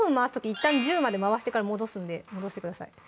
いったん１０まで回してから戻すんで戻してください